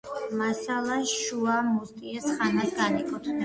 მასალა შუა მუსტიეს ხანას განეკუთვნება.